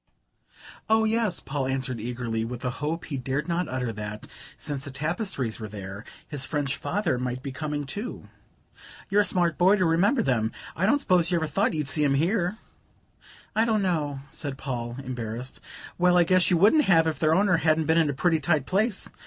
"Oh, yes," Paul answered eagerly, with a hope he dared not utter that, since the tapestries were there, his French father might be coming too. "You're a smart boy to remember them. I don't suppose you ever thought you'd see them here?" "I don't know," said Paul, embarrassed. "Well, I guess you wouldn't have if their owner hadn't been in a pretty tight place.